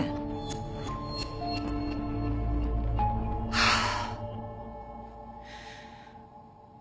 ハァ。